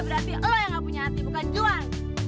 berarti lo yang ga punya hati bukan juwain